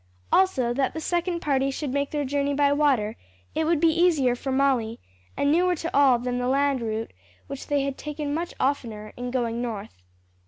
Also that the second party should make their journey by water; it would be easier for Molly, and newer to all than the land route which they had taken much oftener in going North.